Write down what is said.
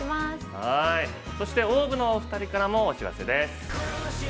◆そして、ＯＷＶのお二人からお知らせです。